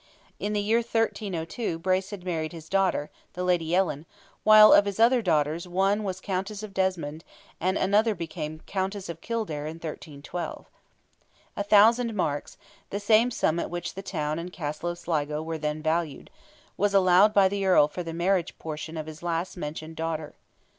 In the year 1302 Bruce had married his daughter, the Lady Ellen, while of his other daughters one was Countess of Desmond, and another became Countess of Kildare in 1312. A thousand marks—the same sum at which the town and castle of Sligo were then valued—was allowed by the Earl for the marriage portion of his last mentioned daughter.